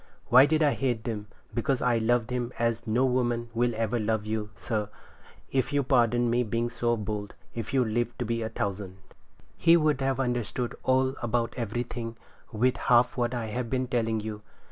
Why did I hate them? Because I loved him as no woman will ever love you, sir, if you'll pardon me being so bold, if you live to be a thousand. He would have understood all about everything with half what I have been telling you.